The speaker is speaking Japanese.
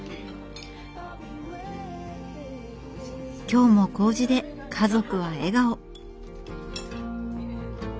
今日もこうじで家族は笑顔。